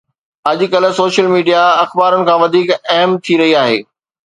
اڄڪلهه social media اخبارن کان وڌيڪ اهم ٿي رهي آهي